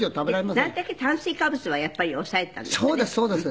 なるたけ炭水化物はやっぱり抑えたんですってね。